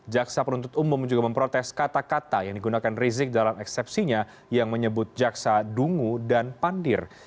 jaksa penuntut umum juga memprotes kata kata yang digunakan rizik dalam eksepsinya yang menyebut jaksa dungu dan pandir